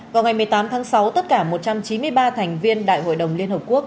vào ngày một mươi tám tháng sáu tất cả một trăm chín mươi ba thành viên đại hội đồng liên hợp quốc